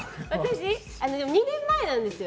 でも２年前なんですよ。